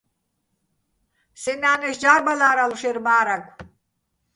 სეჼ ნა́ნეშო̆ ჯა́რბალა́რალო̆ შეჲრ მა́რაგო̆: